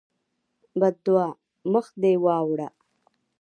بدعا: مخ دې واوړه!